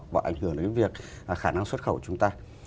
và ảnh hưởng đến cái việc khả năng xuất khẩu của chúng ta